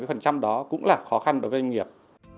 và cái việc đối ứng bảy mươi đó cũng là khó khăn cho doanh nghiệp